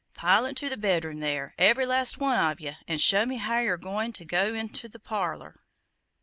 Pile into the bed room, there, every last one of ye, an' show me how yer goin' ter go in't the parlor.